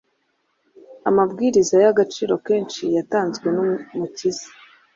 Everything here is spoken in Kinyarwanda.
amabwiriza y’agaciro kenshi yatanzwe n’Umukiza,